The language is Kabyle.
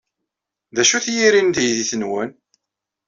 D acu-t yiri n teydit-nwen?